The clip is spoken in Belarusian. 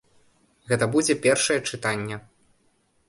Гэта будзе першае чытанне.